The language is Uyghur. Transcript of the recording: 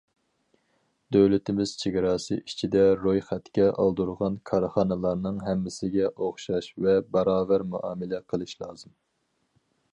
دۆلىتىمىز چېگراسى ئىچىدە رويخەتكە ئالدۇرغان كارخانىلارنىڭ ھەممىسىگە ئوخشاش ۋە باراۋەر مۇئامىلە قىلىش لازىم.